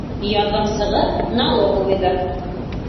Ярҙамсығыҙ налоговыйҙа.